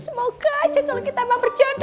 semoga aja kalau kita emang berjanji